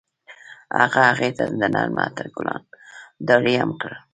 هغه هغې ته د نرم عطر ګلان ډالۍ هم کړل.